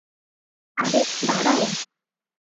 আরে, দাঁড়াও।